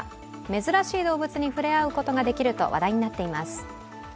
珍しい動物に触れ合うことができると話題になっています。